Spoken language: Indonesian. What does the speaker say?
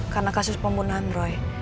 karena kasus pembunuhan roy